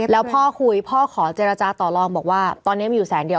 แล้วพ่อคุยพ่อขอเจรจาต่อลองบอกว่าตอนนี้มีอยู่แสนเดียว